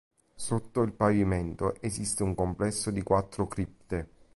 Sotto il pavimento esiste un complesso di quattro cripte.